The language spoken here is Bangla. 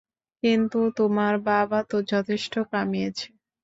কিন্তু তোমার বাবা তো যথেষ্ট কামিয়েছে।